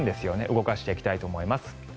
動かしていきたいと思います。